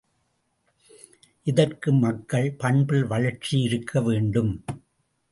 இதற்கு மக்கள் பண்பில் வளர்ச்சியிருக்க வேண்டும்.